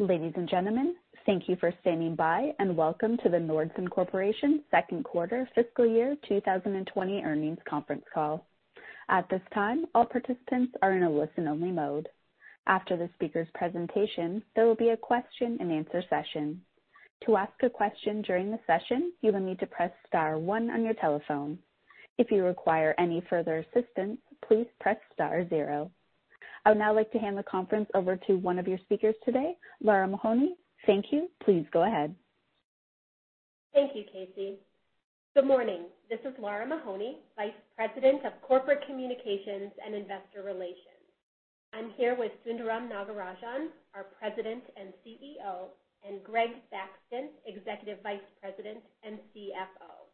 Ladies and gentlemen, thank you for standing by and welcome to the Nordson Corporation second quarter fiscal year 2020 earnings conference call. At this time, all participants are in a listen-only mode. After the speaker's presentation, there will be a question and answer session. To ask a question during the session, you will need to press star one on your telephone. If you require any further assistance, please press star zero. I would now like to hand the conference over to one of your speakers today, Lara Mahoney. Thank you. Please go ahead. Thank you, Casey. Good morning. This is Lara Mahoney, Vice President of Corporate Communications and Investor Relations. I'm here with Sundaram Nagarajan, our President and CEO, and Greg Thaxton, Executive Vice President and CFO.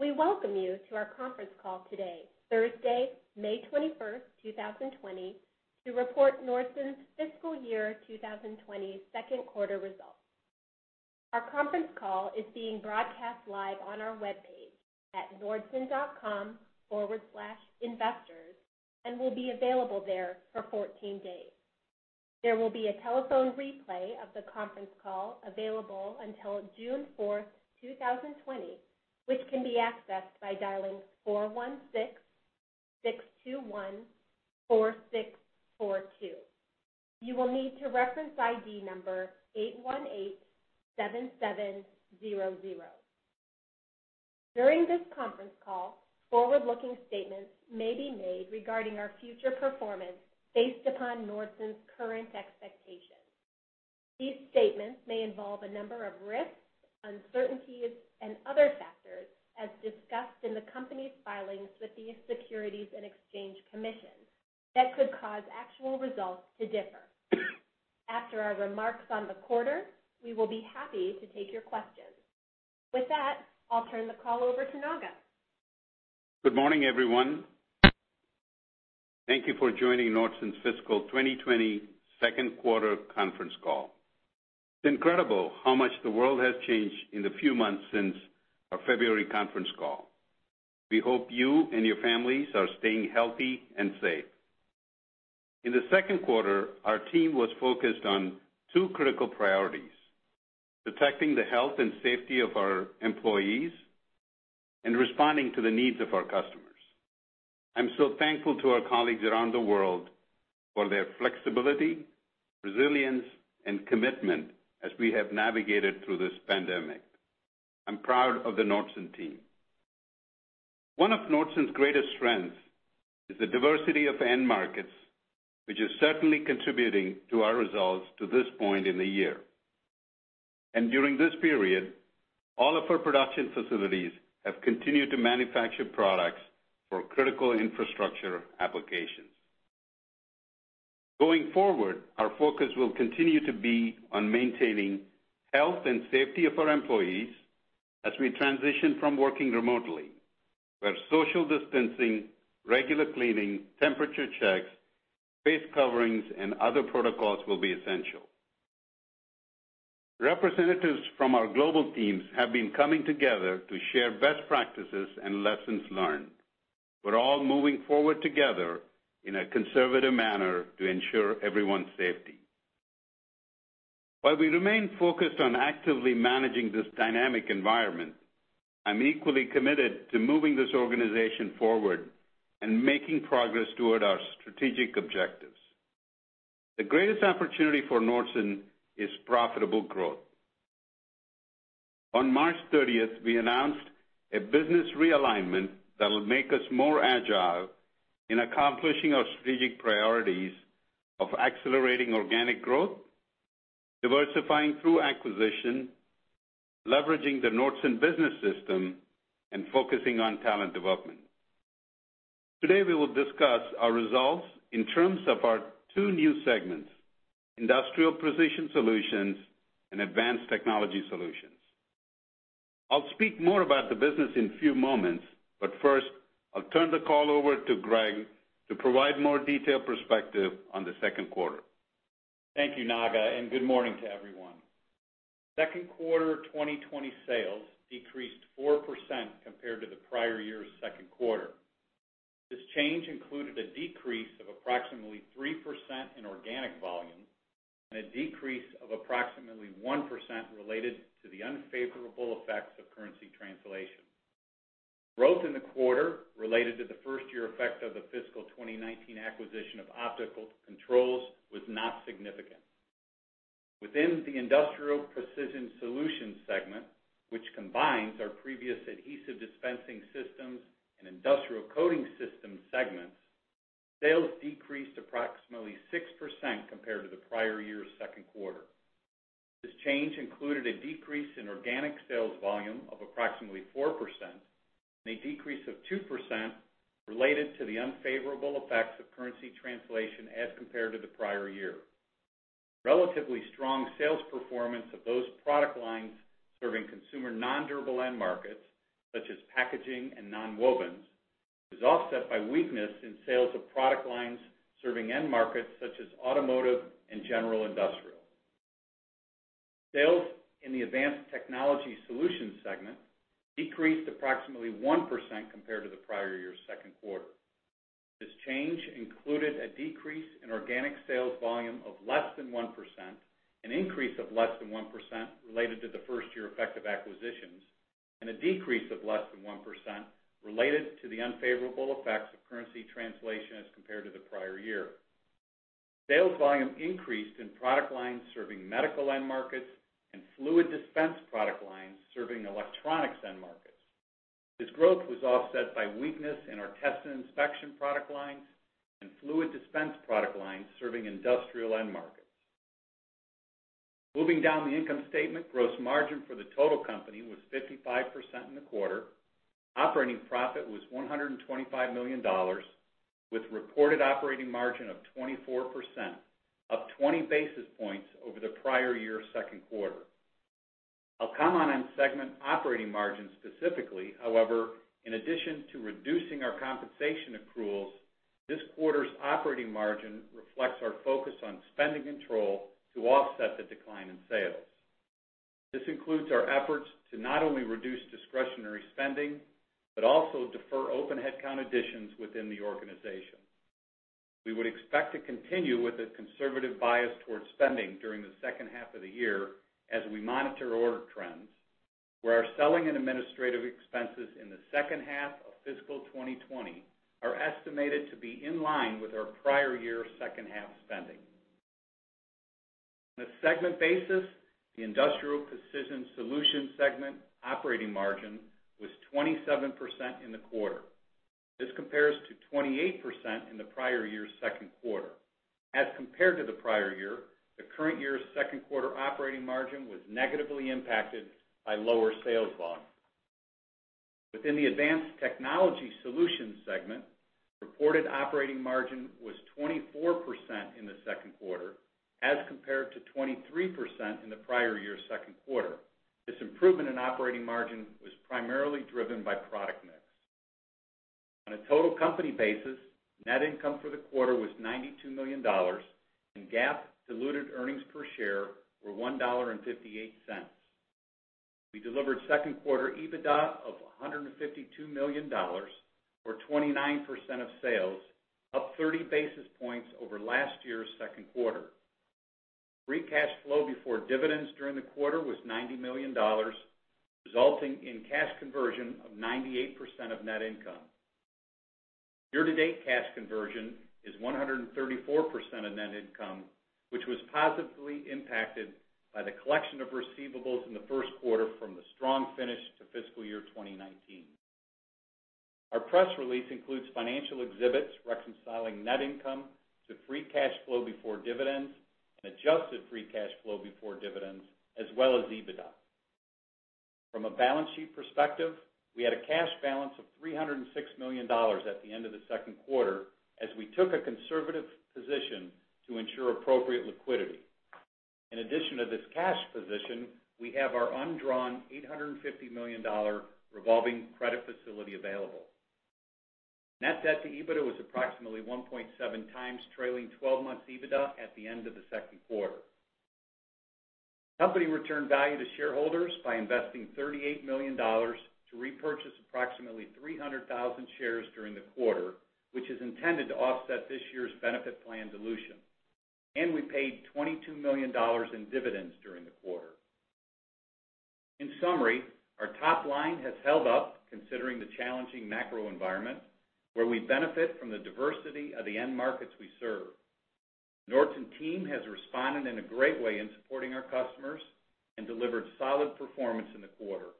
We welcome you to our conference call today, Thursday, May 21st, 2020 to report Nordson's fiscal year 2020 second quarter results. Our conference call is being broadcast live on our webpage at nordson.com/investors and will be available there for 14 days. There will be a telephone replay of the conference call available until June 4th, 2020, which can be accessed by dialing 416-621-4642. You will need to reference ID number 8187700. During this conference call, forward-looking statements may be made regarding our future performance based upon Nordson's current expectations. These statements may involve a number of risks, uncertainties, and other factors as discussed in the company's filings with the Securities and Exchange Commission that could cause actual results to differ. After our remarks on the quarter, we will be happy to take your questions. With that, I'll turn the call over to Nagarajan. Good morning, everyone. Thank you for joining Nordson's fiscal 2020 second quarter conference call. It's incredible how much the world has changed in the few months since our February conference call. We hope you and your families are staying healthy and safe. In the second quarter, our team was focused on two critical priorities, protecting the health and safety of our employees and responding to the needs of our customers. I'm so thankful to our colleagues around the world for their flexibility, resilience, and commitment as we have navigated through this pandemic. I'm proud of the Nordson team. One of Nordson's greatest strengths is the diversity of end markets, which is certainly contributing to our results to this point in the year. During this period, all of our production facilities have continued to manufacture products for critical infrastructure applications. Going forward, our focus will continue to be on maintaining health and safety of our employees as we transition from working remotely, where social distancing, regular cleaning, temperature checks, face coverings, and other protocols will be essential. Representatives from our global teams have been coming together to share best practices and lessons learned. We're all moving forward together in a conservative manner to ensure everyone's safety. While we remain focused on actively managing this dynamic environment, I'm equally committed to moving this organization forward and making progress toward our strategic objectives. The greatest opportunity for Nordson is profitable growth. On March 30th, we announced a business realignment that will make us more agile in accomplishing our strategic priorities of accelerating organic growth, diversifying through acquisition, leveraging the Nordson Business System, and focusing on talent development. Today, we will discuss our results in terms of our two new segments, Industrial Precision Solutions and Advanced Technology Solutions. I'll speak more about the business in a few moments, but first, I'll turn the call over to Greg to provide more detailed perspective on the second quarter. Thank you, Nagarajan, and good morning to everyone. Second quarter 2020 sales decreased 4% compared to the prior year's second quarter. This change included a decrease of approximately 3% in organic volume and a decrease of approximately 1% related to the unfavorable effects of currency translation. Growth in the quarter related to the first-year effect of the fiscal 2019 acquisition of Optical Control was not significant. Within the Industrial Precision Solutions segment, which combines our previous Adhesive Dispensing Systems and Industrial Coating Systems segments, sales decreased approximately 6% compared to the prior year's second quarter. This change included a decrease in organic sales volume of approximately 4% and a decrease of 2% related to the unfavorable effects of currency translation as compared to the prior year. Relatively strong sales performance of those product lines serving consumer nondurable end markets such as packaging and nonwovens was offset by weakness in sales of product lines serving end markets such as automotive and general industrial. Sales in the Advanced Technology Solutions segment decreased approximately 1% compared to the prior year's second quarter. This change included a decrease in organic sales volume of less than 1%, an increase of less than 1% related to the first year effect of acquisitions, and a decrease of less than 1% related to the unfavorable effects of currency translation as compared to the prior year. Sales volume increased in product lines serving medical end markets and fluid dispense product lines serving electronics end markets. This growth was offset by weakness in our test and inspection product lines and fluid dispense product lines serving industrial end markets. Moving down the income statement, gross margin for the total company was 55% in the quarter. Operating profit was $125 million, with reported operating margin of 24%, up 20 basis points over the prior year second quarter. I'll come on in segment operating margin specifically, however, in addition to reducing our compensation accruals, this quarter's operating margin reflects our focus on spending control to offset the decline in sales. This includes our efforts to not only reduce discretionary spending, but also defer open headcount additions within the organization. We would expect to continue with a conservative bias towards spending during the second half of the year as we monitor order trends, where our selling and administrative expenses in the second half of fiscal 2020 are estimated to be in line with our prior year's second half spending. On a segment basis, the Industrial Precision Solutions segment operating margin was 27% in the quarter. This compares to 28% in the prior year's second quarter. As compared to the prior year, the current year's second quarter operating margin was negatively impacted by lower sales volume. Within the Advanced Technology Solutions segment, reported operating margin was 24% in the second quarter, as compared to 23% in the prior year's second quarter. This improvement in operating margin was primarily driven by product mix. On a total company basis, net income for the quarter was $92 million, and GAAP diluted earnings per share were $1.58. We delivered second quarter EBITDA of $152 million, or 29% of sales, up 30 basis points over last year's second quarter. Free cash flow before dividends during the quarter was $90 million, resulting in cash conversion of 98% of net income. Year-to-date cash conversion is 134% of net income, which was positively impacted by the collection of receivables in the first quarter from the strong finish to fiscal year 2019. Our press release includes financial exhibits reconciling net income to free cash flow before dividends and adjusted free cash flow before dividends, as well as EBITDA. From a balance sheet perspective, we had a cash balance of $306 million at the end of the second quarter as we took a conservative position to ensure appropriate liquidity. In addition to this cash position, we have our undrawn $850 million revolving credit facility available. Net debt to EBITDA was approximately 1.7 times trailing 12 months EBITDA at the end of the second quarter. Company returned value to shareholders by investing $38 million to repurchase approximately 300,000 shares during the quarter, which is intended to offset this year's benefit plan dilution. We paid $22 million in dividends during the quarter. In summary, our top line has held up considering the challenging macro environment, where we benefit from the diversity of the end markets we serve. Nordson team has responded in a great way in supporting our customers and delivered solid performance in the quarter.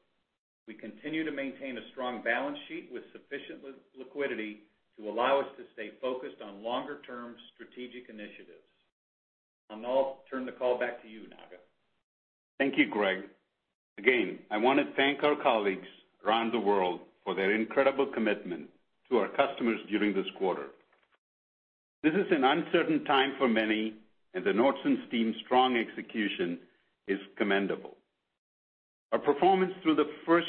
We continue to maintain a strong balance sheet with sufficient liquidity to allow us to stay focused on longer-term strategic initiatives. I'll now turn the call back to you, Nagarajan. Thank you, Greg. Again, I want to thank our colleagues around the world for their incredible commitment to our customers during this quarter. This is an uncertain time for many, and the Nordson team's strong execution is commendable. Our performance through the first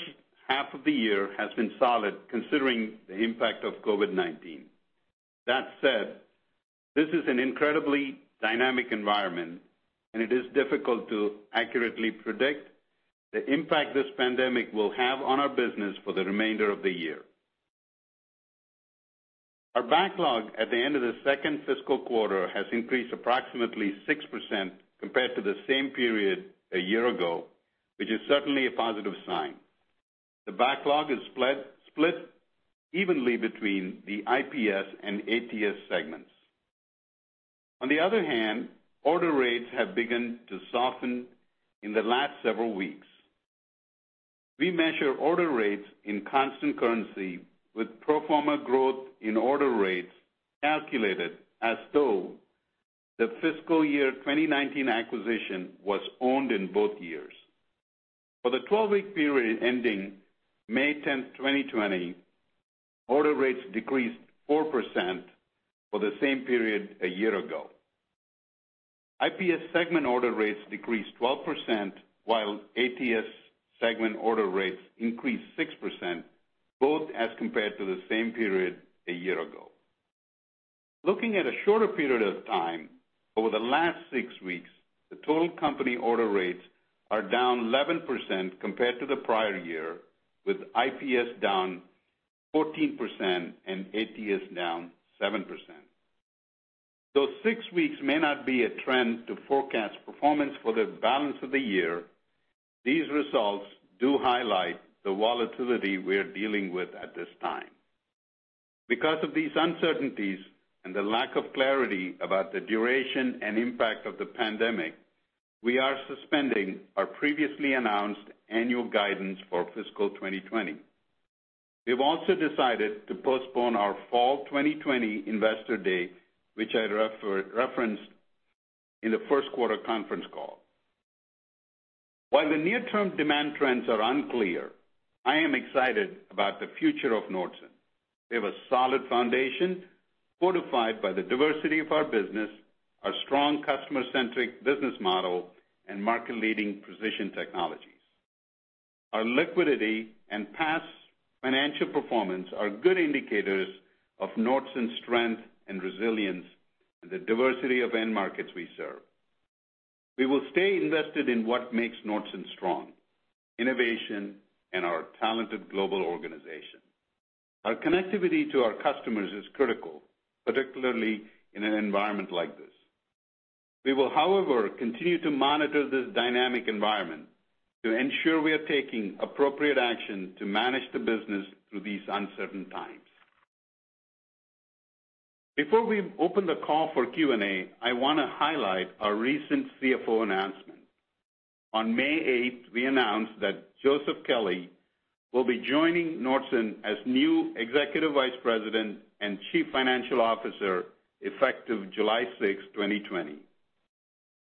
half of the year has been solid, considering the impact of COVID-19. That said, this is an incredibly dynamic environment, and it is difficult to accurately predict the impact this pandemic will have on our business for the remainder of the year. Our backlog at the end of the second fiscal quarter has increased approximately 6% compared to the same period a year ago, which is certainly a positive sign. The backlog is split evenly between the IPS and ATS segments. On the other hand, order rates have begun to soften in the last several weeks. We measure order rates in constant currency with pro forma growth in order rates calculated as though the fiscal year 2019 acquisition was owned in both years. For the 12-week period ending May 10th, 2020, order rates decreased 4% for the same period a year ago. IPS segment order rates decreased 12%, while ATS segment order rates increased 6%, both as compared to the same period a year ago. Looking at a shorter period of time, over the last six weeks, the total company order rates are down 11% compared to the prior year, with IPS down 14% and ATS down 7%. Though six weeks may not be a trend to forecast performance for the balance of the year, these results do highlight the volatility we are dealing with at this time. Because of these uncertainties and the lack of clarity about the duration and impact of the pandemic, we are suspending our previously announced annual guidance for fiscal 2020. We've also decided to postpone our fall 2020 Investor Day, which I referenced in the first quarter conference call. While the near-term demand trends are unclear, I am excited about the future of Nordson. We have a solid foundation fortified by the diversity of our business, our strong customer-centric business model, and market-leading precision technologies. Our liquidity and past financial performance are good indicators of Nordson's strength and resilience and the diversity of end markets we serve. We will stay invested in what makes Nordson strong, innovation, and our talented global organization. Our connectivity to our customers is critical, particularly in an environment like this. We will, however, continue to monitor this dynamic environment to ensure we are taking appropriate action to manage the business through these uncertain times. Before we open the call for Q&A, I want to highlight our recent CFO announcement. On May 8th, we announced that Joseph Kelley will be joining Nordson as new Executive Vice President and Chief Financial Officer, effective July 6, 2020.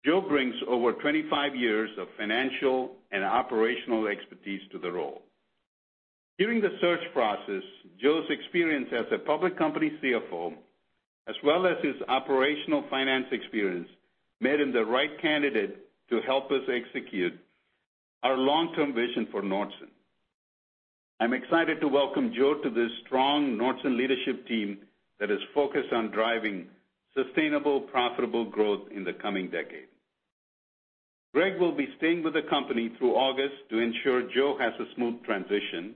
Joseph brings over 25 years of financial and operational expertise to the role. During the search process, Joseph's experience as a public company CFO, as well as his operational finance experience, made him the right candidate to help us execute our long-term vision for Nordson. I'm excited to welcome Joseph to this strong Nordson leadership team that is focused on driving sustainable, profitable growth in the coming decade. Greg will be staying with the company through August to ensure Joseph has a smooth transition.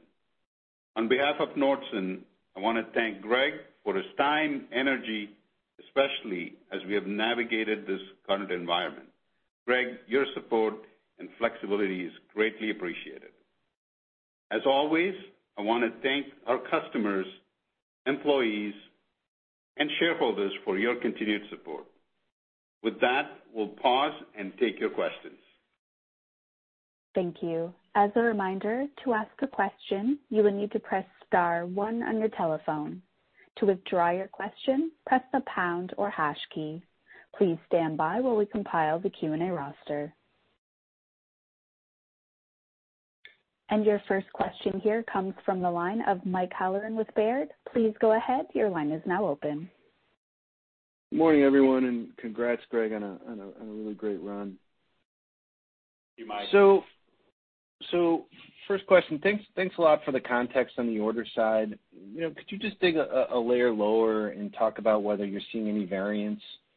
On behalf of Nordson, I want to thank Greg for his time, energy, especially as we have navigated this current environment. Greg, your support and flexibility is greatly appreciated. As always, I want to thank our customers, employees, and shareholders for your continued support. With that, we'll pause and take your questions. Thank you. As a reminder, to ask a question, you will need to press star one on your telephone. To withdraw your question, press the pound or hash key. Please stand by while we compile the Q&A roster. Your first question here comes from the line of Mike Halloran with Baird. Please go ahead. Your line is now open. Good morning, everyone. Congrats, Greg, on a really great run. Thank you, Mike. First question. Thanks a lot for the context on the order side. Could you just dig a layer lower and talk about whether you're seeing any variance in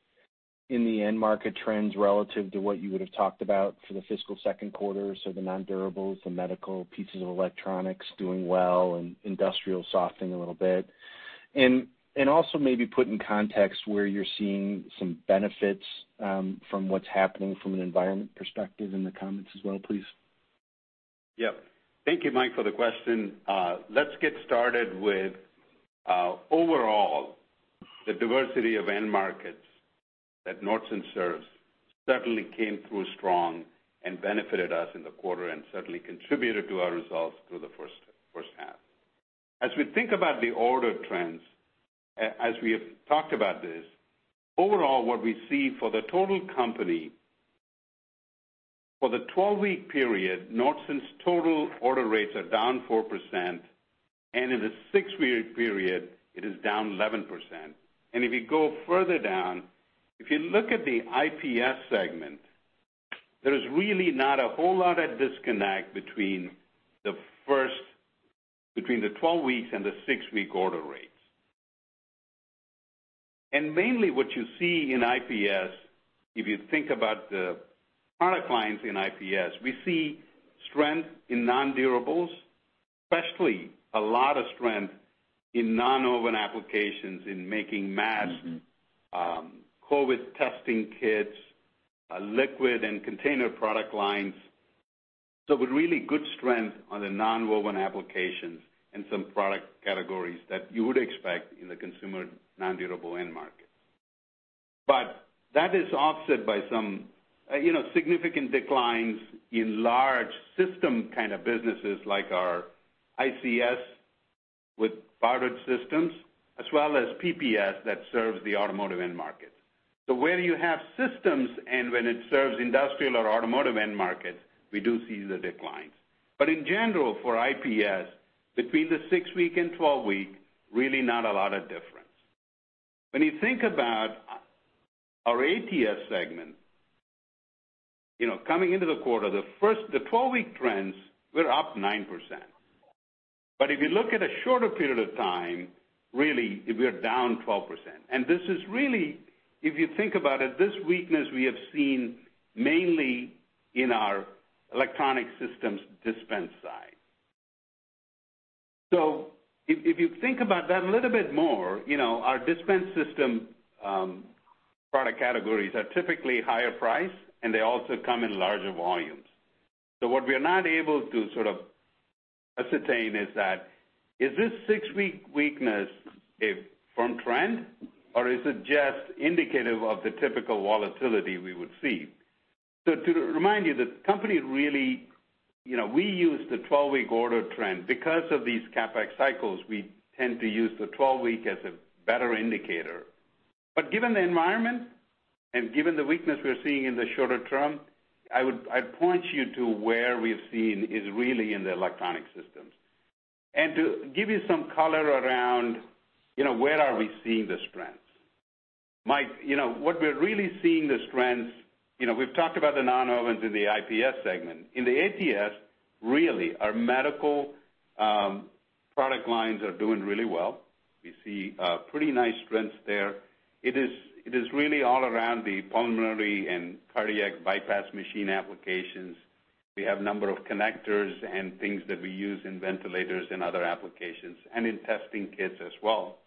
the end market trends relative to what you would've talked about for the fiscal second quarter, so the nonwovens, the medical pieces of electronics doing well and industrial softening a little bit? Also maybe put in context where you're seeing some benefits from what's happening from an environment perspective in the comments as well, please. Thank you, Mike, for the question. Let's get started with, overall, the diversity of end markets that Nordson serves certainly came through strong and benefited us in the quarter and certainly contributed to our results through the first half. As we think about the order trends, as we have talked about this, overall, what we see for the total company, for the 12-week period, Nordson's total order rates are down 4%, and in the six-week period, it is down 11%. If you go further down, if you look at the IPS segment, there is really not a whole lot of disconnect between the 12 weeks and the six-week order rates. Mainly what you see in IPS, if you think about the product lines in IPS, we see strength in non-durables, especially a lot of strength in nonwoven applications in making masks. COVID testing kits, liquid and container product lines. With really good strength on the nonwovens applications and some product categories that you would expect in the consumer non-durable end market. That is offset by some significant declines in large system kind of businesses like our ICS with powder systems, as well as PPS that serves the automotive end market. Where you have systems and when it serves industrial or automotive end markets, we do see the declines. In general, for IPS, between the six-week and 12-week, really not a lot of difference. When you think about our ATS segment. Coming into the quarter, the 12-week trends were up 9%. If you look at a shorter period of time, really, we are down 12%. This is really, if you think about it, this weakness we have seen mainly in our electronic systems dispense side. If you think about that a little bit more, our dispense system product categories are typically higher priced, and they also come in larger volumes. What we are not able to ascertain is that, is this six-week weakness a firm trend, or is it just indicative of the typical volatility we would see? To remind you, the company really, we use the 12-week order trend. Because of these CapEx cycles, we tend to use the 12-week as a better indicator. Given the environment, and given the weakness we're seeing in the shorter term, I'd point you to where we've seen is really in the electronic systems. To give you some color around where are we seeing the strengths. Mike, what we're really seeing the strengths, we've talked about the nonwovens in the IPS segment. In the ATS, really, our medical product lines are doing really well. We see pretty nice strengths there. It is really all around the pulmonary and cardiac bypass machine applications. We have a number of connectors and things that we use in ventilators and other applications, and in testing kits as well.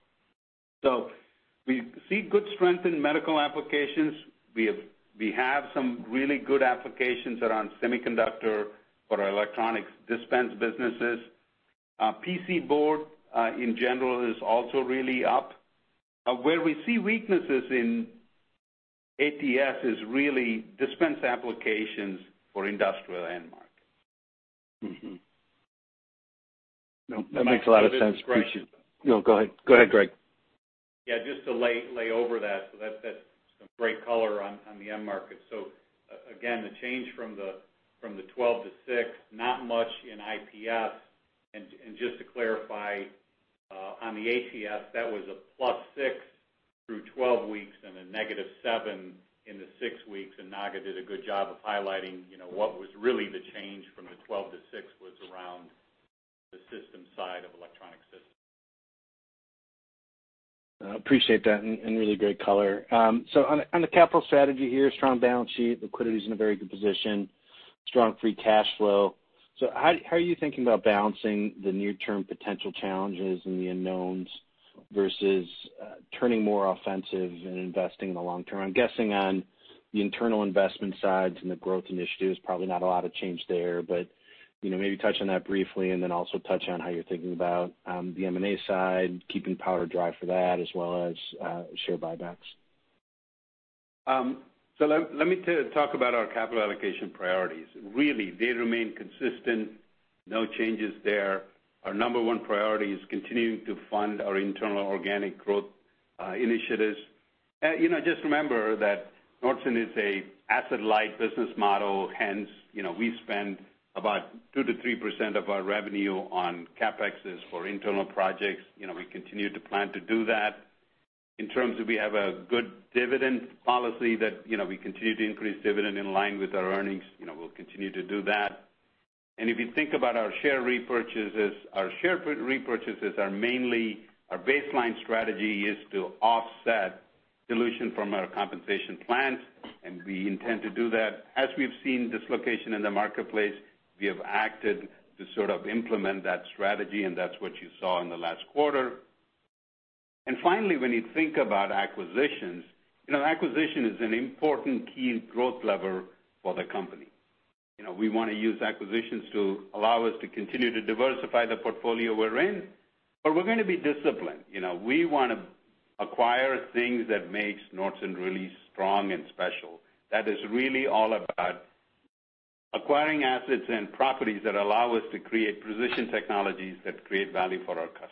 We see good strength in medical applications. We have some really good applications around semiconductor for our electronics dispense businesses. PC board, in general, is also really up. Where we see weaknesses in ATS is really dispense applications for industrial end market. Mm-hmm. No, that makes a lot of sense. Appreciate it. No, go ahead, Greg. Yeah, just to lay over that's some great color on the end market. Again, the change from the 12-6, not much in IPS. Just to clarify, on the ATS, that was a +6 through 12 weeks and a -7 in the six weeks, Nagarajan did a good job of highlighting what was really the change from the 12-6 was around the systems side of electronic systems. Appreciate that, really great color. On the capital strategy here, strong balance sheet, liquidity's in a very good position, strong free cash flow. How are you thinking about balancing the near-term potential challenges and the unknowns versus turning more offensive and investing in the long term? I'm guessing on the internal investment sides and the growth initiatives, probably not a lot of change there, but maybe touch on that briefly, and then also touch on how you're thinking about the M&A side, keeping powder dry for that, as well as share buybacks. Let me talk about our capital allocation priorities. Really, they remain consistent. No changes there. Our number one priority is continuing to fund our internal organic growth initiatives. Just remember that Nordson is a asset-light business model, hence, we spend about 2%-3% of our revenue on CapExes for internal projects. We continue to plan to do that. In terms of we have a good dividend policy that we continue to increase dividend in line with our earnings. We'll continue to do that. If you think about our share repurchases, our share repurchases are mainly our baseline strategy is to offset dilution from our compensation plans, and we intend to do that. As we've seen dislocation in the marketplace, we have acted to sort of implement that strategy, and that's what you saw in the last quarter. Finally, when you think about acquisitions, acquisition is an important key growth lever for the company. We want to use acquisitions to allow us to continue to diversify the portfolio we're in, but we're going to be disciplined. We want to acquire things that makes Nordson really strong and special. That is really all about acquiring assets and properties that allow us to create precision technologies that create value for our customers.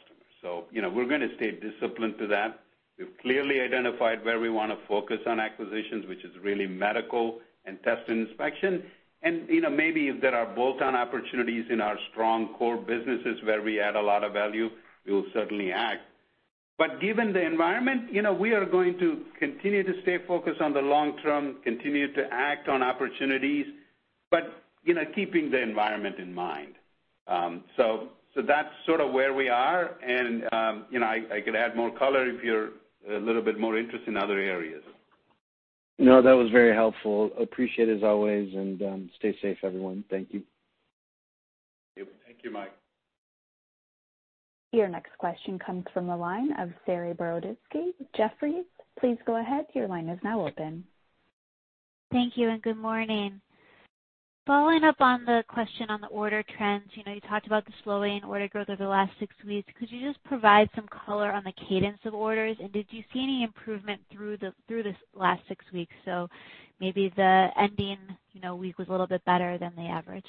We're going to stay disciplined to that. We've clearly identified where we want to focus on acquisitions, which is really medical and test and inspection. Maybe if there are bolt-on opportunities in our strong core businesses where we add a lot of value, we will certainly act. Given the environment, we are going to continue to stay focused on the long term, continue to act on opportunities, but keeping the environment in mind. That's sort of where we are, and I could add more color if you're a little bit more interested in other areas. No, that was very helpful. Appreciate as always, and stay safe, everyone. Thank you. Thank you, Mike. Your next question comes from the line of Saree Boroditsky, Jefferies. Please go ahead. Your line is now open. Thank you, and good morning. Following up on the question on the order trends, you talked about the slowing order growth over the last six weeks. Could you just provide some color on the cadence of orders? Did you see any improvement through this last six weeks? Maybe the ending week was a little bit better than the average.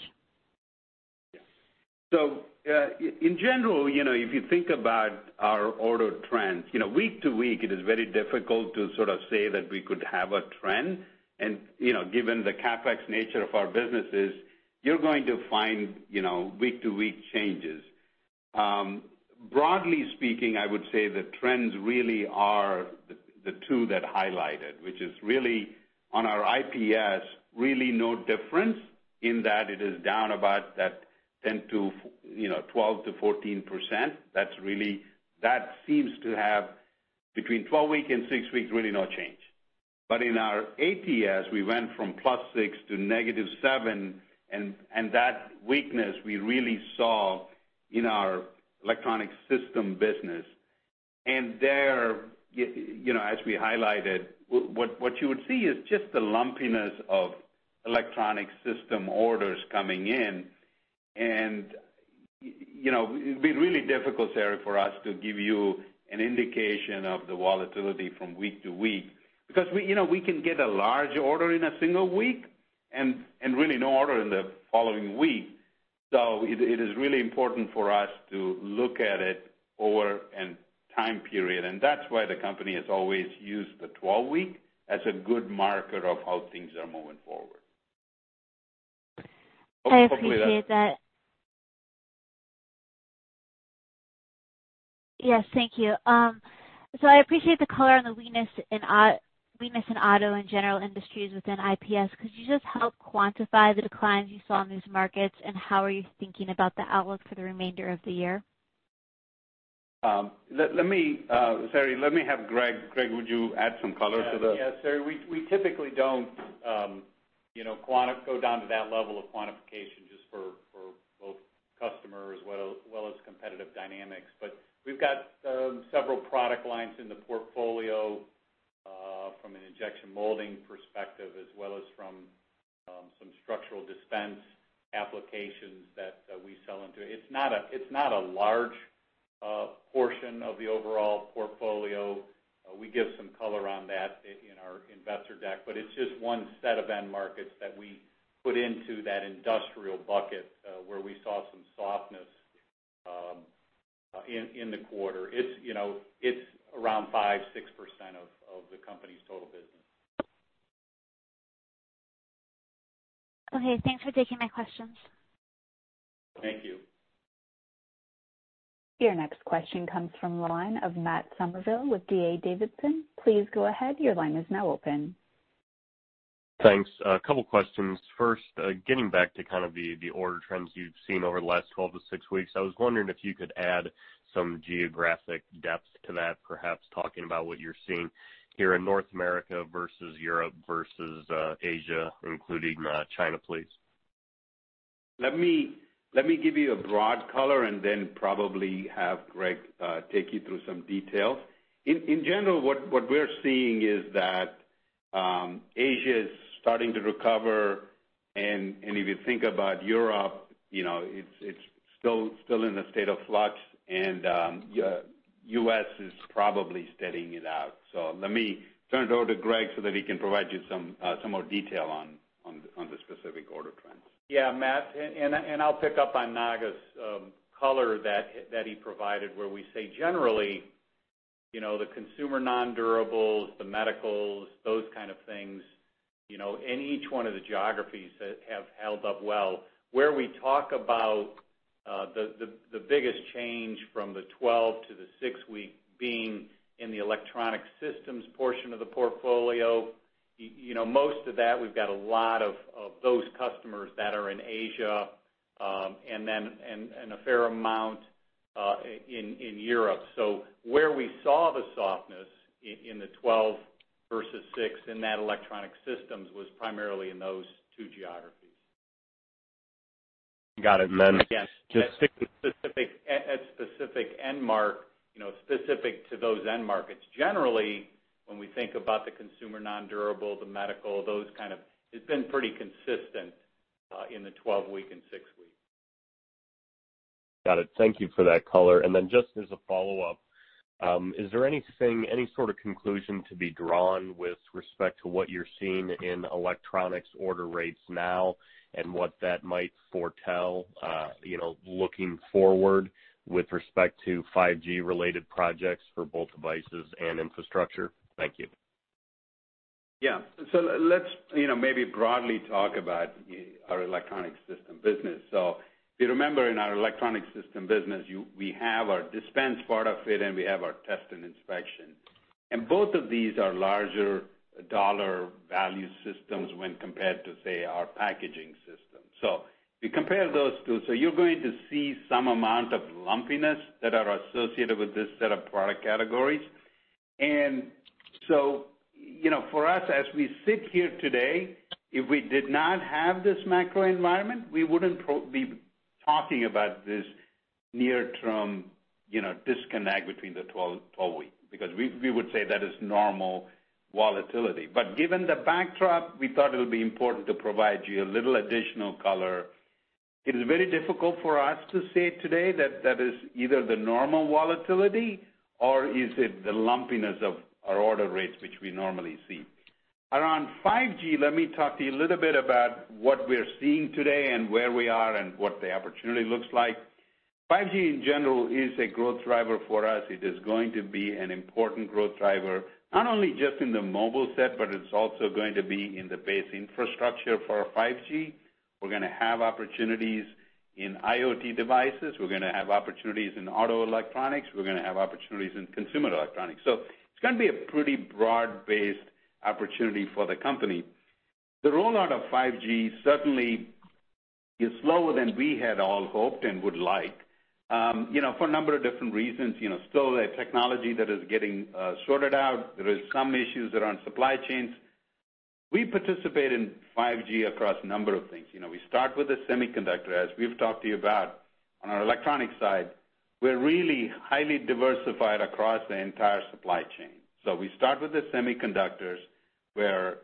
In general, if you think about our order trends, week to week, it is very difficult to sort of say that we could have a trend. Given the CapEx nature of our businesses, you're going to find week-to-week changes. Broadly speaking, I would say the trends really are the two that highlighted, which is really on our IPS, really no difference in that it is down about that 10%-12%-14%. That seems to have between 12-week and six-week, really no change. In our ATS, we went from +6 to -7, and that weakness we really saw in our electronic system business. There, as we highlighted, what you would see is just the lumpiness of electronic system orders coming in. It'd be really difficult, Saree, for us to give you an indication of the volatility from week to week because we can get a large order in a single week and really no order in the following week. It is really important for us to look at it over a time period, and that's why the company has always used the 12-week as a good marker of how things are moving forward. I appreciate that. Yes, thank you. I appreciate the color on the weakness in auto and general industries within IPS. Could you just help quantify the declines you saw in these markets, and how are you thinking about the outlook for the remainder of the year? Saree, let me have Greg. Greg, would you add some color to that? Saree, we typically don't go down to that level of quantification just for both customers as well as competitive dynamics. We've got several product lines in the portfolio from an injection molding perspective as well as from some structural dispense applications that we sell into. It's not a large portion of the overall portfolio. We give some color on that in our investor deck, but it's just one set of end markets that we put into that industrial bucket, where we saw some softness in the quarter. It's around 5%, 6% of the company's total business. Okay, thanks for taking my questions. Thank you. Your next question comes from the line of Matt Summerville with D.A. Davidson. Please go ahead. Your line is now open. Thanks. A couple questions. First, getting back to kind of the order trends you've seen over the last 12-6 weeks, I was wondering if you could add some geographic depth to that, perhaps talking about what you're seeing here in North America versus Europe versus Asia, including China, please? Let me give you a broad color and then probably have Greg take you through some details. In general, what we're seeing is that Asia is starting to recover, and if you think about Europe, it's still in a state of flux, and U.S. is probably steadying it out. Let me turn it over to Greg so that he can provide you some more detail on the specific order trends. Matt, I'll pick up on Naga's color that he provided where we say generally, the consumer non-durables, the medicals, those kind of things, in each one of the geographies have held up well. Where we talk about the biggest change from the 12 to the six week being in the electronic systems portion of the portfolio. Most of that, we've got a lot of those customers that are in Asia, and a fair amount in Europe. Where we saw the softness in the 12 versus six in that electronic system was primarily in those two geographies. Got it. Yes. Just- Specific to those end markets. Generally, when we think about the consumer non-durable, the medical, it's been pretty consistent in the 12-week and six-week. Got it. Thank you for that color. Just as a follow-up, is there anything, any sort of conclusion to be drawn with respect to what you're seeing in electronics order rates now and what that might foretell looking forward with respect to 5G related projects for both devices and infrastructure? Thank you. Yeah. Let's maybe broadly talk about our electronic system business. If you remember, in our electronic system business, we have our dispense part of it, and we have our test and inspection. Both of these are larger dollar value systems when compared to, say, our packaging system. If you compare those two, you're going to see some amount of lumpiness that are associated with this set of product categories. For us, as we sit here today, if we did not have this macro environment, we wouldn't be talking about this near-term disconnect between the 12-week because we would say that is normal volatility. Given the backdrop, we thought it would be important to provide you a little additional color. It is very difficult for us to say today that that is either the normal volatility or is it the lumpiness of our order rates, which we normally see. Around 5G, let me talk to you a little bit about what we're seeing today and where we are and what the opportunity looks like. 5G in general is a growth driver for us. It is going to be an important growth driver, not only just in the mobile set, but it's also going to be in the base infrastructure for 5G. We're going to have opportunities in IoT devices. We're going to have opportunities in auto electronics. We're going to have opportunities in consumer electronics. It's going to be a pretty broad-based opportunity for the company. The rollout of 5G certainly is slower than we had all hoped and would like, for a number of different reasons. Still a technology that is getting sorted out. There is some issues around supply chains. We participate in 5G across a number of things. We start with the semiconductor, as we've talked to you about. On our electronic side, we're really highly diversified across the entire supply chain. We start with the semiconductors, where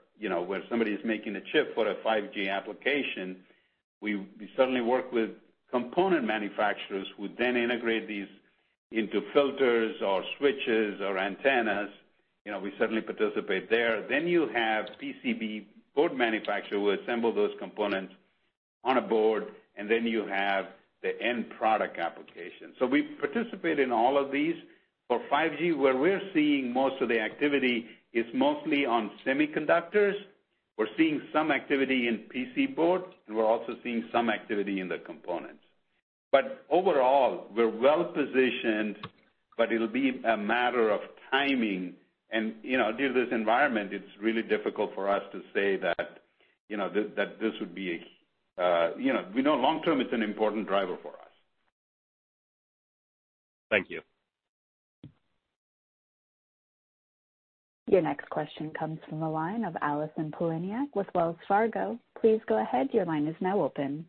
somebody is making a chip for a 5G application. We certainly work with component manufacturers who then integrate these into filters or switches or antennas. We certainly participate there. You have PCB board manufacturer who assemble those components on a board, and then you have the end product application. We participate in all of these. For 5G, where we're seeing most of the activity is mostly on semiconductors. We're seeing some activity in PC boards, and we're also seeing some activity in the components. Overall, we're well-positioned, but it'll be a matter of timing and due to this environment, it's really difficult for us to say that this would be. We know long term, it's an important driver for us. Thank you. Your next question comes from the line of Allison Poliniak with Wells Fargo. Please go ahead, your line is now open.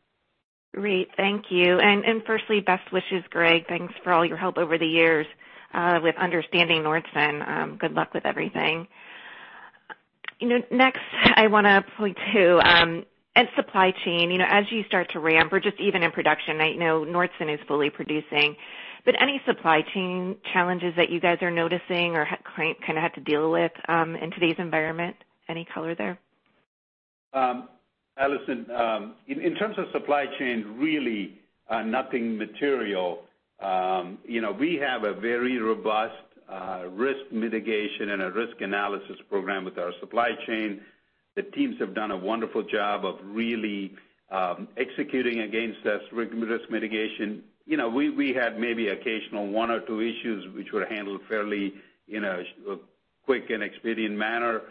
Great. Thank you. Firstly, best wishes, Greg. Thanks for all your help over the years with understanding Nordson. Good luck with everything. Next, I want to point to end supply chain. As you start to ramp or just even in production, I know Nordson is fully producing, but any supply chain challenges that you guys are noticing or kind of had to deal with in today's environment? Any color there? Allison, in terms of supply chain, really nothing material. We have a very robust risk mitigation and a risk analysis program with our supply chain. The teams have done a wonderful job of really executing against this risk mitigation. We had maybe occasional one or two issues which were handled fairly quick and expedient manner.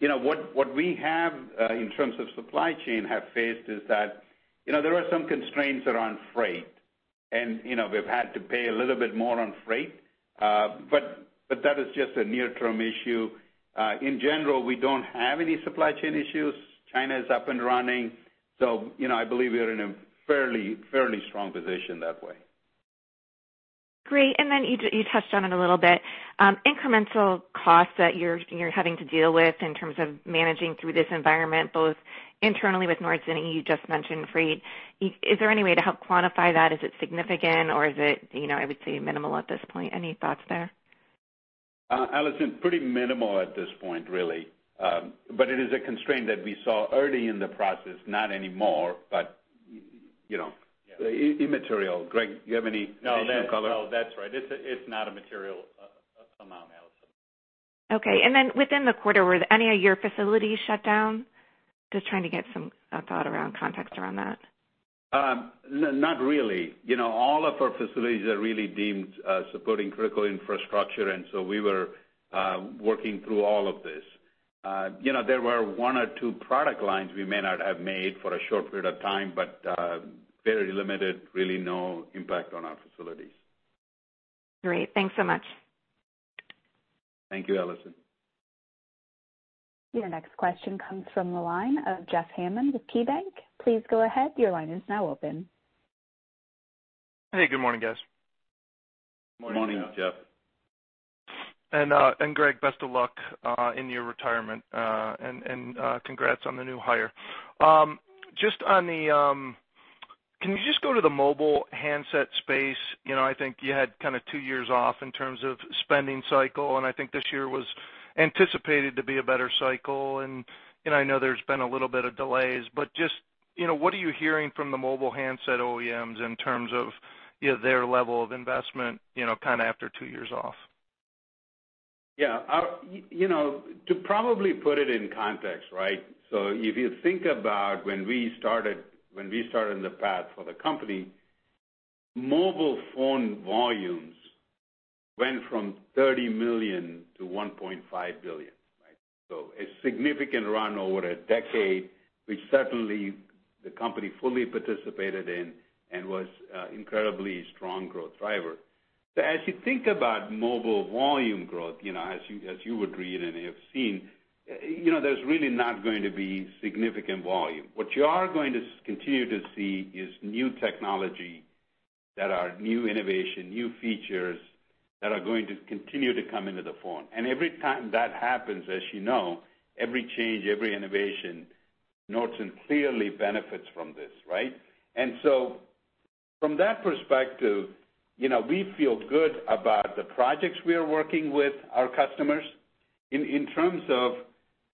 What we have in terms of supply chain have faced is that, there are some constraints around freight, and we've had to pay a little bit more on freight. That is just a near-term issue. In general, we don't have any supply chain issues. China is up and running, so I believe we are in a fairly strong position that way. Great. You touched on it a little bit. Incremental costs that you're having to deal with in terms of managing through this environment, both internally with Nordson, and you just mentioned freight. Is there any way to help quantify that? Is it significant or is it, I would say, minimal at this point? Any thoughts there? Allison, pretty minimal at this point, really. It is a constraint that we saw early in the process. Not anymore, but immaterial. Greg, you have any additional color? No, that's right. It's not a material amount, Allison. Okay. Within the quarter, were any of your facilities shut down? Just trying to get some thought around context around that. Not really. All of our facilities are really deemed supporting critical infrastructure. We were working through all of this. There were one or two product lines we may not have made for a short period of time, but very limited, really no impact on our facilities. Great. Thanks so much. Thank you, Allison. Your next question comes from the line of Jeff Hammond with KeyBanc. Please go ahead. Your line is now open. Hey, good morning, guys. Morning, Jeff. Greg, best of luck in your retirement, and congrats on the new hire. Can we just go to the mobile handset space? I think you had kind of two years off in terms of spending cycle, and I think this year was anticipated to be a better cycle. I know there's been a little bit of delays, but just what are you hearing from the mobile handset OEMs in terms of their level of investment kind of after two years off? Yeah. To probably put it in context, right? If you think about when we started the path for the company, mobile phone volumes went from 30 million to 1.5 billion. A significant run over a decade, which certainly the company fully participated in and was incredibly strong growth driver. As you think about mobile volume growth, as you would read and have seen, there's really not going to be significant volume. What you are going to continue to see is new technology that are new innovation, new features that are going to continue to come into the phone. Every time that happens, as you know, every change, every innovation, Nordson clearly benefits from this, right? From that perspective, we feel good about the projects we are working with our customers.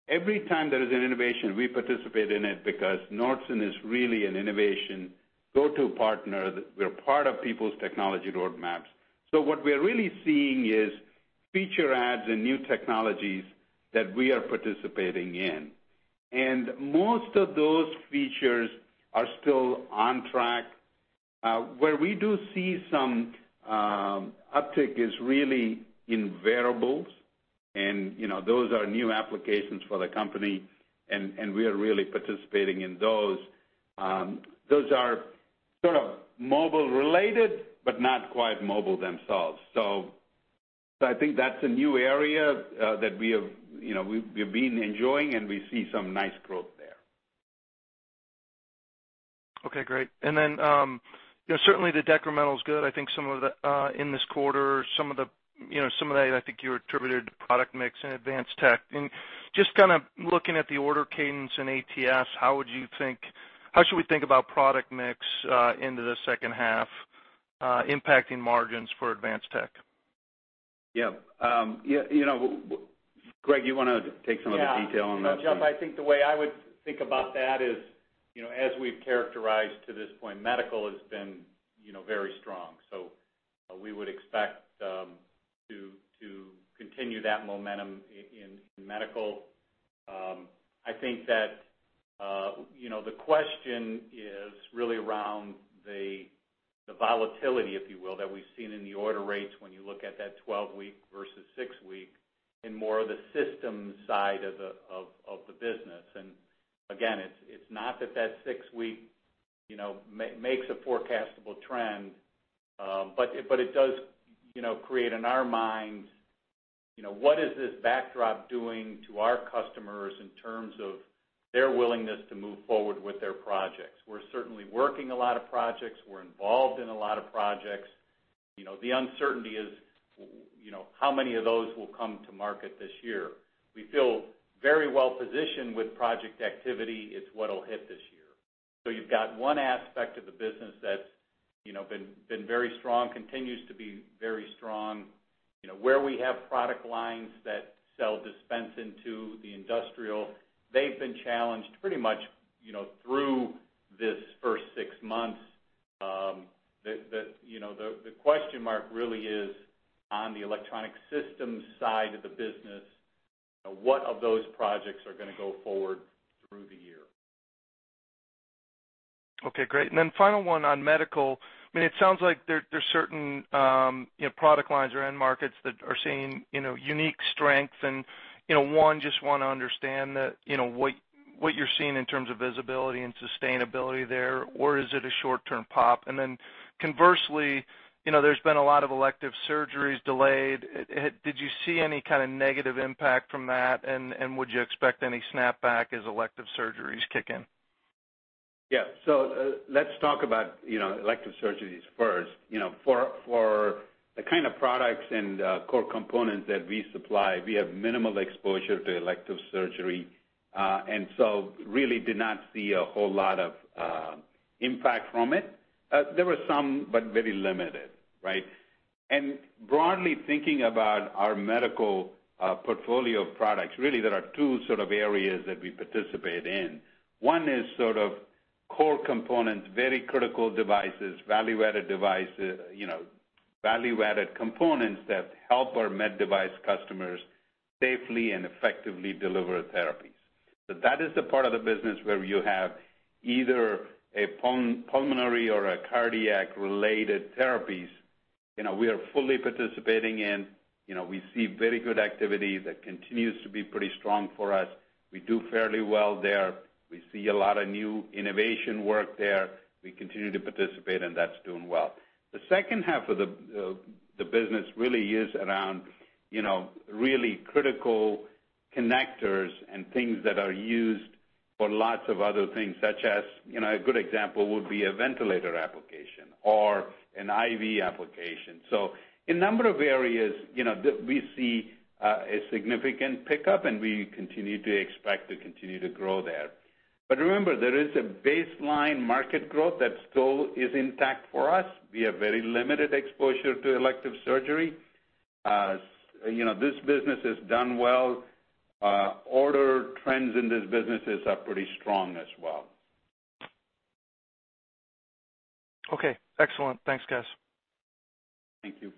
Every time there is an innovation, we participate in it because Nordson is really an innovation go-to partner. We're part of people's technology roadmaps. What we are really seeing is feature adds and new technologies that we are participating in. Most of those features are still on track. Where we do see some uptick is really in wearables, and those are new applications for the company, and we are really participating in those. Those are sort of mobile related, but not quite mobile themselves. I think that's a new area that we have been enjoying, and we see some nice growth there. Okay, great. Certainly the decremental is good. I think in this quarter, some of that, I think you attributed to product mix and Advanced Tech. Just kind of looking at the order cadence in ATS, how should we think about product mix into the second half impacting margins for Advanced Tech? Yeah. Greg, you want to take some of the detail on that? Jeff, I think the way I would think about that is, as we've characterized to this point, medical has been very strong. We would expect to continue that momentum in medical. I think that the question is really around the volatility, if you will, that we've seen in the order rates when you look at that 12-week versus six-week in more of the systems side of the business. Again, it's not that six-week makes a forecastable trend, but it does create in our minds, what is this backdrop doing to our customers in terms of their willingness to move forward with their projects? We're certainly working a lot of projects. We're involved in a lot of projects. The uncertainty is how many of those will come to market this year? We feel very well positioned with project activity. It's what'll hit this year. You've got one aspect of the business that's been very strong, continues to be very strong. Where we have product lines that sell dispense into the industrial, they've been challenged pretty much through this first six months. The question mark really is on the electronic systems side of the business, what of those projects are going to go forward through the year? Okay, great. Then final one on medical. I mean, it sounds like there are certain product lines or end markets that are seeing unique strengths and one, just want to understand what you're seeing in terms of visibility and sustainability there, or is it a short-term pop? Then conversely, there's been a lot of elective surgeries delayed. Did you see any kind of negative impact from that, and would you expect any snapback as elective surgeries kick in? Yeah. Let's talk about elective surgeries first. For the kind of products and core components that we supply, we have minimal exposure to elective surgery, really did not see a whole lot of impact from it. There were some, but very limited, right? Broadly thinking about our medical portfolio of products, really there are two sort of areas that we participate in. One is sort of core components, very critical devices, value-added components that help our med device customers safely and effectively deliver therapies. That is the part of the business where you have either a pulmonary or a cardiac-related therapies. We are fully participating in. We see very good activity that continues to be pretty strong for us. We do fairly well there. We see a lot of new innovation work there. We continue to participate, and that's doing well. The second half of the business really is around really critical connectors and things that are used for lots of other things, such as, a good example would be a ventilator application or an IV application. A number of areas, we see a significant pickup, and we continue to expect to continue to grow there. Remember, there is a baseline market growth that still is intact for us. We have very limited exposure to elective surgery. This business has done well. Order trends in this business are pretty strong as well. Okay, excellent. Thanks, guys. Thank you.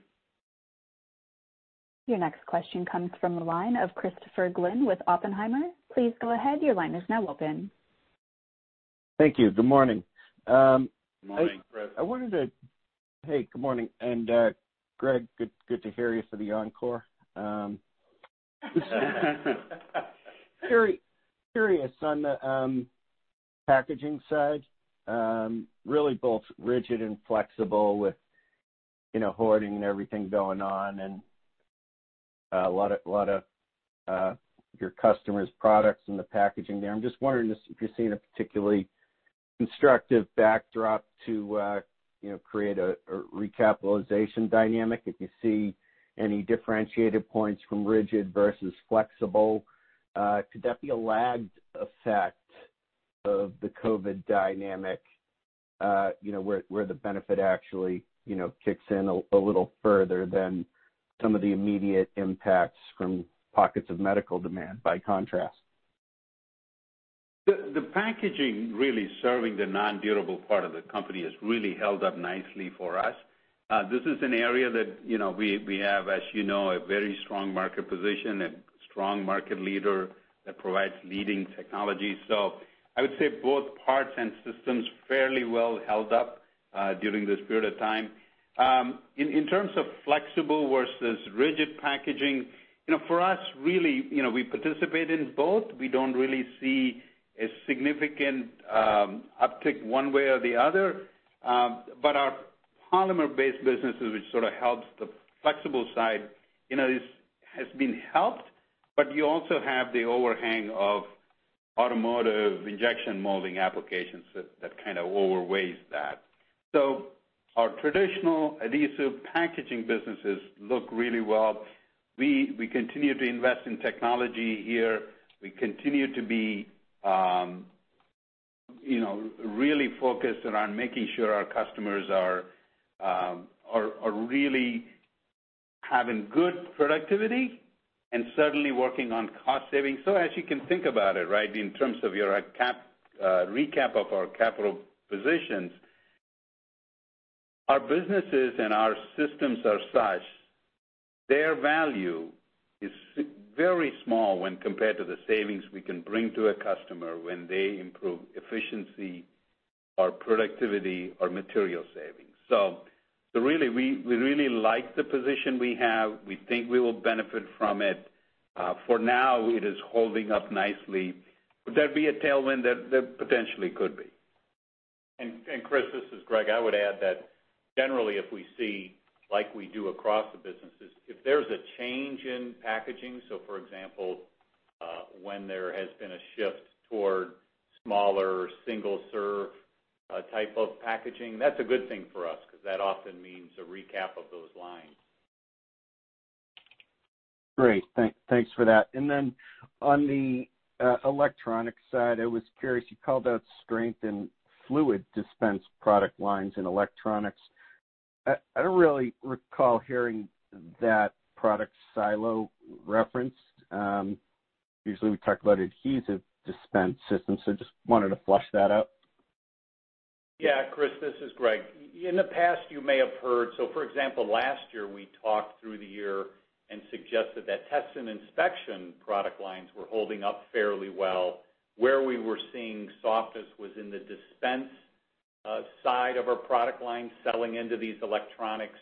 Your next question comes from the line of Christopher Glynn with Oppenheimer. Please go ahead. Your line is now open. Thank you. Good morning. Morning, Christopher. Hey, good morning. Greg, good to hear you for the encore. Curious on the packaging side, really both rigid and flexible with hoarding and everything going on, and a lot of your customers' products and the packaging there. I'm just wondering if you're seeing a particularly constructive backdrop to create a recapitalization dynamic, if you see any differentiated points from rigid versus flexible. Could that be a lagged effect of the COVID dynamic, where the benefit actually kicks in a little further than some of the immediate impacts from pockets of medical demand by contrast? The packaging really serving the nonwovens part of the company has really held up nicely for us. This is an area that we have, as you know, a very strong market position and strong market leader that provides leading technology. I would say both parts and systems fairly well held up during this period of time. In terms of flexible versus rigid packaging, for us, really, we participate in both. We don't really see a significant uptick one way or the other. Our polymer-based businesses, which sort of helps the flexible side, has been helped, but you also have the overhang of automotive injection molding applications that kind of overweighs that. Our traditional adhesive packaging businesses look really well. We continue to invest in technology here. We continue to be really focused around making sure our customers are really having good productivity and certainly working on cost savings. As you can think about it, right, in terms of your recap of our capital positions, our businesses and our systems are such, their value is very small when compared to the savings we can bring to a customer when they improve efficiency or productivity or material savings. Really, we really like the position we have. We think we will benefit from it. For now, it is holding up nicely. Would that be a tailwind? That potentially could be. Christopher, this is Greg. I would add that generally if we see, like we do across the businesses, if there's a change in packaging, so for example, when there has been a shift toward smaller single-serve type of packaging, that's a good thing for us because that often means a recap of those lines. Great. Thanks for that. Then on the electronics side, I was curious, you called out strength in fluid dispense product lines in electronics. I don't really recall hearing that product silo referenced. Usually, we talk about Adhesive Dispensing Systems, so just wanted to flush that out. Yeah. Christopher, this is Greg. In the past, you may have heard, for example, last year, we talked through the year and suggested that Test and Inspection product lines were holding up fairly well. Where we were seeing softness was in the dispense side of our product line, selling into these electronics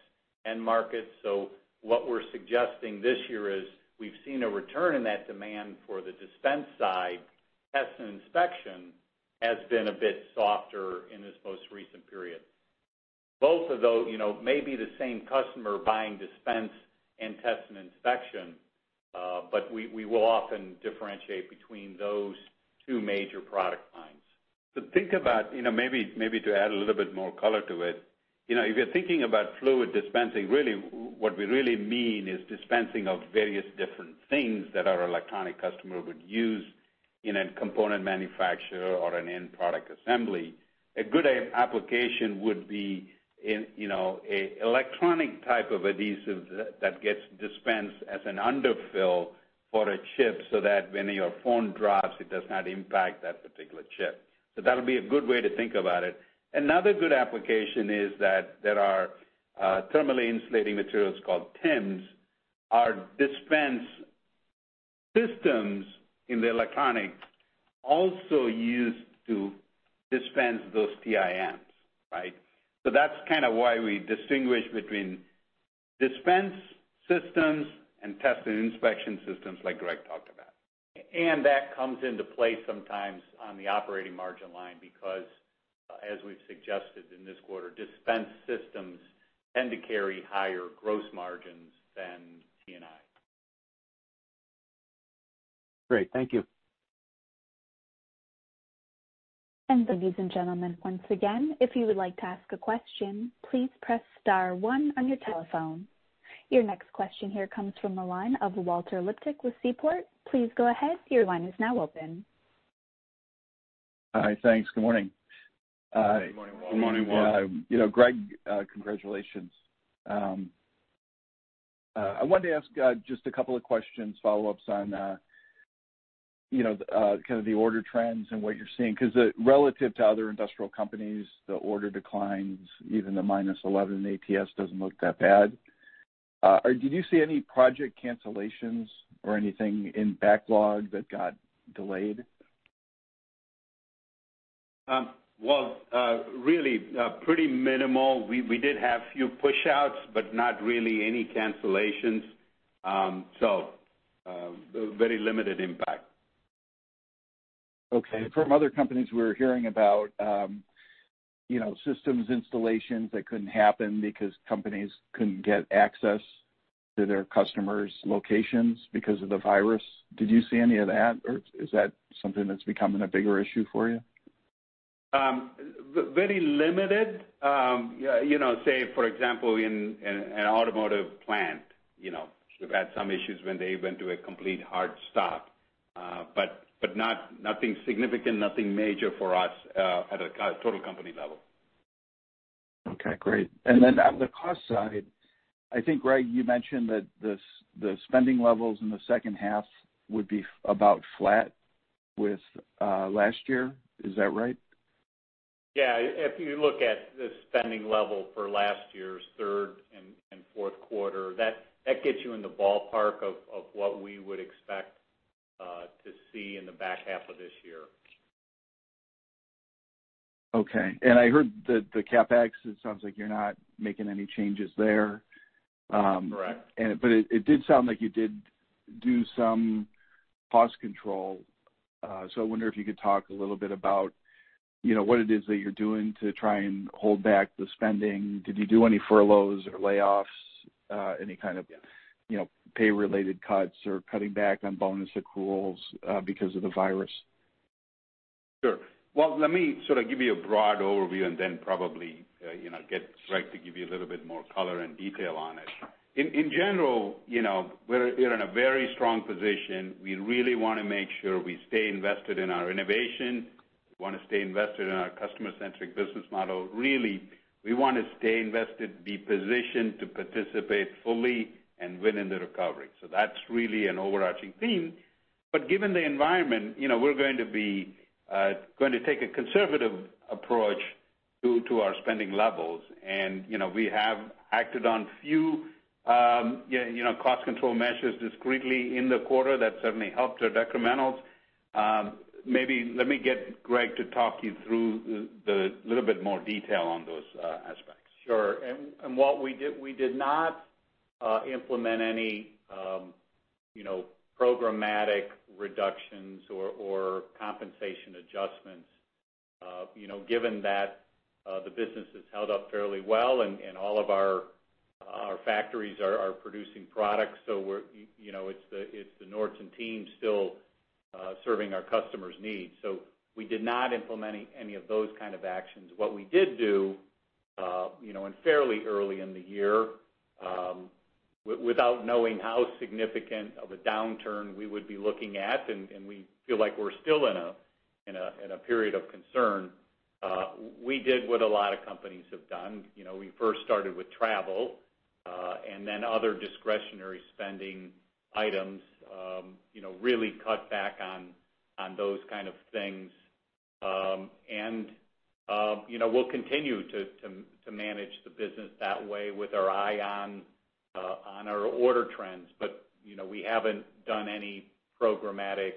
end markets. What we're suggesting this year is we've seen a return in that demand for the dispense side. Test and Inspection has been a bit softer in this most recent period. Both of those may be the same customer buying dispense and Test and Inspection, we will often differentiate between those two major product lines. Think about, maybe to add a little bit more color to it, if you're thinking about fluid dispensing, really what we really mean is dispensing of various different things that our electronic customer would use in a component manufacturer or an end product assembly. A good application would be an electronic type of adhesive that gets dispensed as an underfill for a chip so that when your phone drops, it does not impact that particular chip. That'll be a good way to think about it. Another good application is that there are thermally insulating materials called TIMs. Our dispense systems in the electronics also used to dispense those TIMs, right? That's kind of why we distinguish between dispense systems and test and inspection systems like Greg talked about. That comes into play sometimes on the operating margin line because, as we've suggested in this quarter, dispense systems tend to carry higher gross margins than T&I. Great. Thank you. Ladies and gentlemen, once again, if you would like to ask a question, please press star one on your telephone. Your next question here comes from the line of Walter Liptak with Seaport. Please go ahead, your line is now open. Hi. Thanks. Good morning. Good morning, Walter. Good morning, Walter. Greg, congratulations. I wanted to ask just a couple of questions, follow-ups on kind of the order trends and what you're seeing, because relative to other industrial companies, the order declines, even the -11 ATS doesn't look that bad. Did you see any project cancellations or anything in backlog that got delayed? Well, really pretty minimal. We did have few push-outs, but not really any cancellations. Very limited impact. Okay. From other companies, we were hearing about systems installations that couldn't happen because companies couldn't get access to their customers' locations because of the virus. Did you see any of that, or is that something that's becoming a bigger issue for you? Very limited. Say, for example, in an automotive plant, we've had some issues when they went to a complete hard stop. Nothing significant, nothing major for us at a total company level. Okay, great. On the cost side, I think, Greg, you mentioned that the spending levels in the second half would be about flat with last year. Is that right? Yeah. If you look at the spending level for last year's third and fourth quarter, that gets you in the ballpark of what we would expect to see in the back half of this year. Okay. I heard the CapEx, it sounds like you're not making any changes there. Correct. It did sound like you did do some cost control. I wonder if you could talk a little bit about what it is that you're doing to try and hold back the spending. Did you do any furloughs or layoffs, any kind of pay-related cuts or cutting back on bonus accruals because of the virus? Sure. Well, let me sort of give you a broad overview and then probably get Greg to give you a little bit more color and detail on it. In general, we're in a very strong position. We really want to make sure we stay invested in our innovation, want to stay invested in our customer-centric business model. Really, we want to stay invested, be positioned to participate fully and win in the recovery. That's really an overarching theme. Given the environment, we're going to take a conservative approach to our spending levels. We have acted on a few cost control measures discreetly in the quarter that certainly helped our decrementals. Maybe let me get Greg to talk you through the little bit more detail on those aspects. Sure. We did not implement any programmatic reductions or compensation adjustments. Given that the business has held up fairly well and all of our factories are producing products. It's the Nordson team still serving our customers' needs. We did not implement any of those kind of actions. What we did do, fairly early in the year, without knowing how significant of a downturn we would be looking at, and we feel like we're still in a period of concern, we did what a lot of companies have done. We first started with travel, then other discretionary spending items, really cut back on those kind of things. We'll continue to manage the business that way with our eye on our order trends. We haven't done any programmatic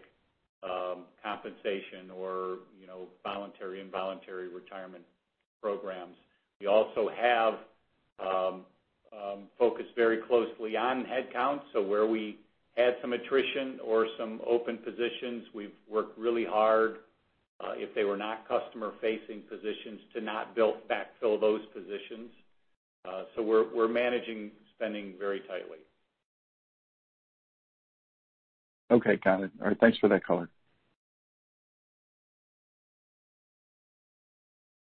compensation or voluntary, involuntary retirement programs. We also have focused very closely on headcount. Where we had some attrition or some open positions, we've worked really hard, if they were not customer-facing positions, to not backfill those positions. We're managing spending very tightly. Okay, got it. All right. Thanks for that color.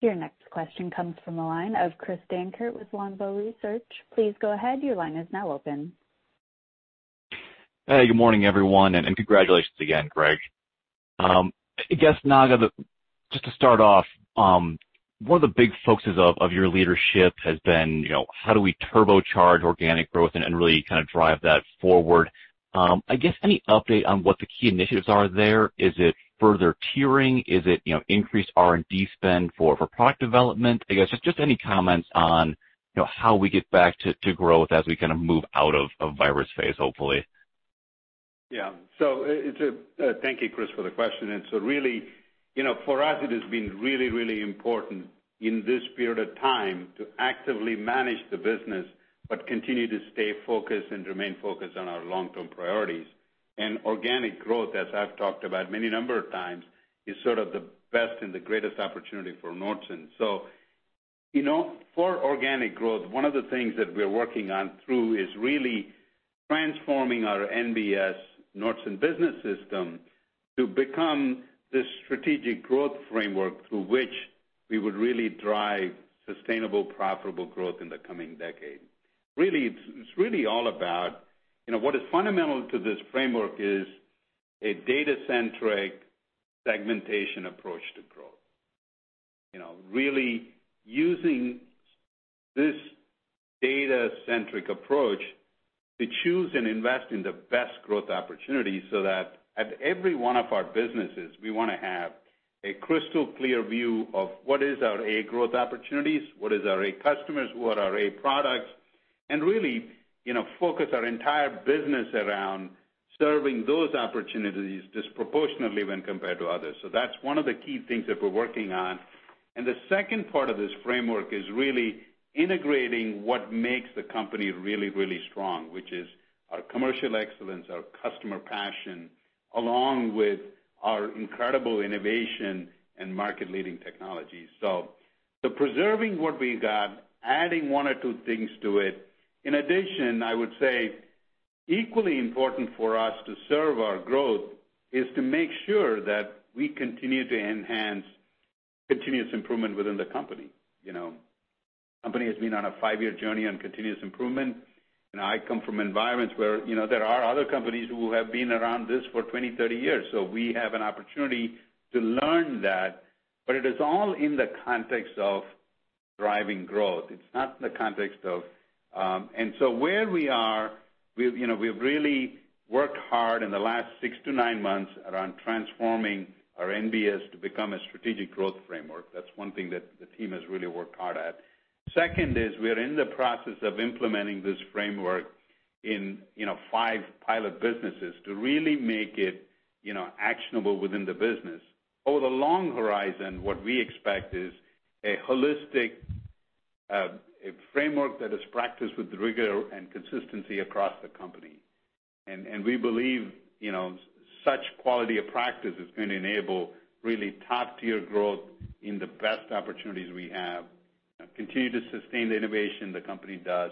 Your next question comes from the line of Chris Dankert with Longbow Research. Please go ahead, your line is now open. Hey, good morning, everyone, and congratulations again, Greg. I guess, Naga, just to start off, one of the big focuses of your leadership has been how do we turbocharge organic growth and really kind of drive that forward? I guess any update on what the key initiatives are there? Is it further tiering? Is it increased R&D spend for product development? I guess just any comments on how we get back to growth as we kind of move out of virus phase, hopefully. Thank you, Chris, for the question. Really, for us, it has been really important in this period of time to actively manage the business, but continue to stay focused and remain focused on our long-term priorities. Organic growth, as I've talked about many number of times, is sort of the best and the greatest opportunity for Nordson. For organic growth, one of the things that we're working on through is really transforming our NBS, Nordson Business System, to become this strategic growth framework through which we would really drive sustainable, profitable growth in the coming decade. It's really all about what is fundamental to this framework is a data-centric segmentation approach to growth. Really using this data-centric approach to choose and invest in the best growth opportunities so that at every one of our businesses, we want to have a crystal clear view of what is our A growth opportunities, what is our A customers, what are A products, and really focus our entire business around serving those opportunities disproportionately when compared to others. That's one of the key things that we're working on. The second part of this framework is really integrating what makes the company really strong, which is our commercial excellence, our customer passion, along with our incredible innovation and market-leading technology. Preserving what we've got, adding one or two things to it. In addition, I would say equally important for us to serve our growth is to make sure that we continue to enhance continuous improvement within the company. Company has been on a five-year journey on continuous improvement. I come from environments where there are other companies who have been around this for 20, 30 years. We have an opportunity to learn that. It is all in the context of driving growth. Where we are, we've really worked hard in the last six to nine months around transforming our NBS to become a strategic growth framework. That's one thing that the team has really worked hard at. Second is, we are in the process of implementing this framework in five pilot businesses to really make it actionable within the business. Over the long horizon, what we expect is a holistic framework that is practiced with rigor and consistency across the company. We believe such quality of practice is going to enable really top-tier growth in the best opportunities we have, continue to sustain the innovation the company does,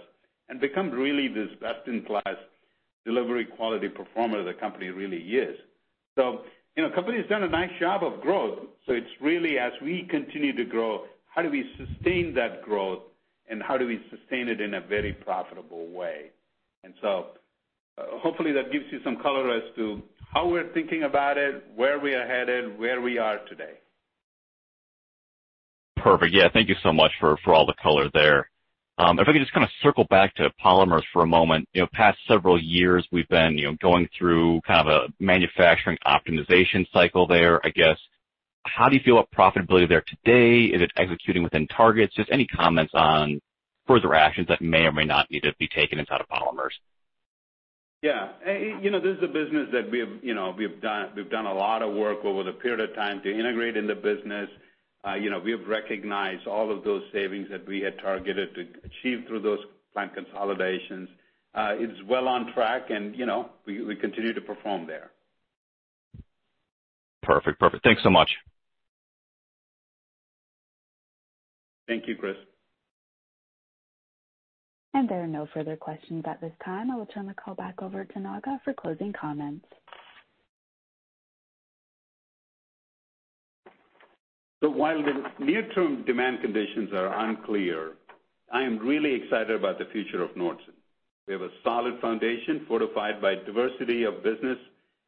and become really this best-in-class delivery quality performer the company really is. Company's done a nice job of growth, so it's really as we continue to grow, how do we sustain that growth, and how do we sustain it in a very profitable way? Hopefully that gives you some color as to how we're thinking about it, where we are headed, where we are today. Perfect. Yeah, thank you so much for all the color there. If I could just kind of circle back to polymers for a moment. Past several years we've been going through kind of a manufacturing optimization cycle there, I guess. How do you feel about profitability there today? Is it executing within targets? Just any comments on further actions that may or may not need to be taken inside of polymers. Yeah. This is a business that we've done a lot of work over the period of time to integrate in the business. We have recognized all of those savings that we had targeted to achieve through those plant consolidations. It is well on track, and we continue to perform there. Perfect. Thanks so much. Thank you, Chris. There are no further questions at this time. I will turn the call back over to Nagarajan for closing comments. While the near-term demand conditions are unclear, I am really excited about the future of Nordson. We have a solid foundation fortified by diversity of business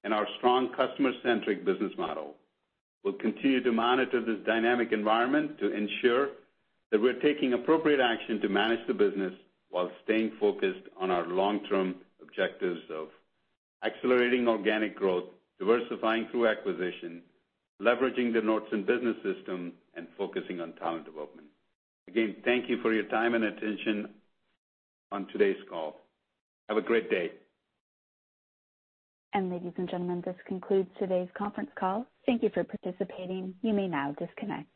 and our strong customer-centric business model. We'll continue to monitor this dynamic environment to ensure that we're taking appropriate action to manage the business while staying focused on our long-term objectives of accelerating organic growth, diversifying through acquisition, leveraging the Nordson Business System, and focusing on talent development. Again, thank you for your time and attention on today's call. Have a great day. Ladies and gentlemen, this concludes today's conference call. Thank you for participating. You may now disconnect.